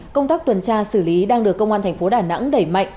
công tác tuần tra xử lý đang được công an tp đà nẵng đẩy mạnh